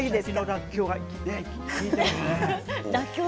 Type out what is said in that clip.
らっきょうが利いてますね。